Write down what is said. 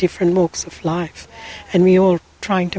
dari jalan hidup yang berbeda